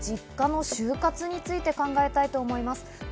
実家の終活について考えたいと思います。